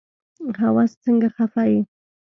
هوس سنګه خفه يي